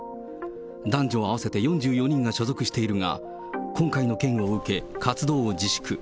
男女合わせて４４人が所属しているが、今回の件を受け、活動を自粛。